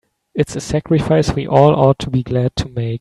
It's a sacrifice we all ought to be glad to make.